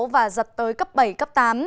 và giật tới cấp bảy cấp tám